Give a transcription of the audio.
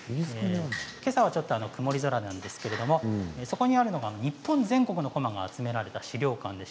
けさはちょっと曇り空なんですけれどここにあるのが日本全国のこまが集められた資料館です。